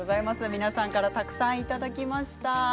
皆さんからたくさんいただきました。